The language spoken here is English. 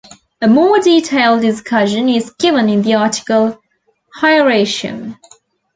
A more detailed discussion is given in the article "Hieracium".